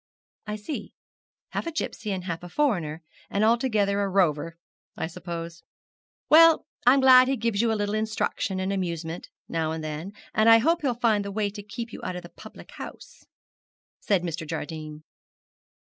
'I see half a gipsy and half a foreigner, and altogether a rover, I suppose. Well, I'm glad he gives you a little instruction and amusement now and then, and I hope he'll find the way to keep you out of the public house,' said Mr. Jardine.